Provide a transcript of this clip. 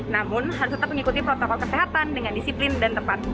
namun harus tetap mengikuti protokol kesehatan dengan disiplin dan tepat